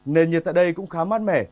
nền nhiệt tại đây cũng khá mát mẻ